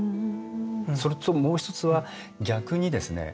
それともう一つは逆にですね